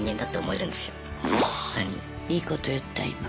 いいこと言った今。